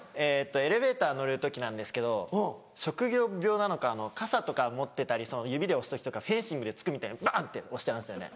エレベーター乗る時なんですけど職業病なのか傘とか持ってたり指で押す時とかフェンシングで突くみたいにバンって押しちゃうんですよね